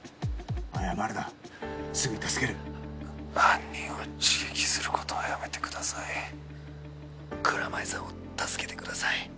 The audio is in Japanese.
謝るなすぐに助ける犯人を刺激することはやめてください蔵前さんを助けてください